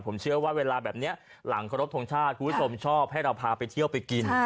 ผมเชื่อว่าเวลาแบบนี้หลังเคารพทงชาติคุณผู้ชมชอบให้เราพาไปเที่ยวไปกิน